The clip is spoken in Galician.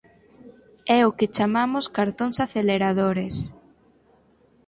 É o que chamamos cartóns aceleradores.